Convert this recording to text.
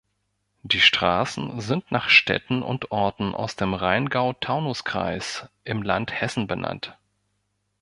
Die Straßen sind nach Städten und Orten aus dem Rheingau-Taunus-Kreis im Land Hessen benannt.